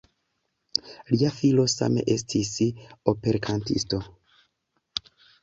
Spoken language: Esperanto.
Lia filo same estis operkantisto.